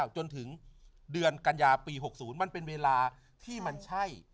จนถึงเดือนกัญญาปี๖๐มันเป็นเวลาที่มันใช่